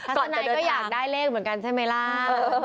ตอนไหนก็อยากได้เลขเหมือนกันใช่ไหมล่ะ